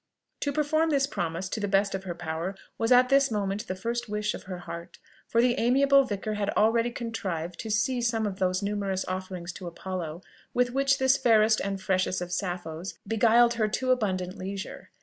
To perform this promise to the best of her power was at this moment the first wish of her heart: for the amiable vicar had already contrived to see some of those numerous offerings to Apollo with which this fairest and freshest of Sapphos beguiled her too abundant leisure.